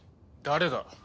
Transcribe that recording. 誰だ？